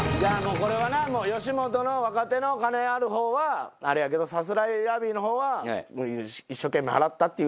これはな吉本の若手の金ある方はあれやけどさすらいラビーの方は一生懸命払ったっていうので。